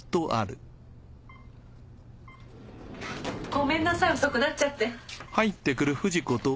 ごめんなさい遅くなっちゃって。